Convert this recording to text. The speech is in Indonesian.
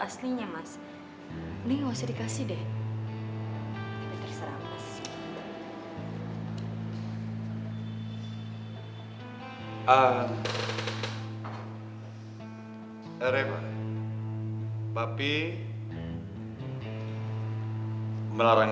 suara adriana sih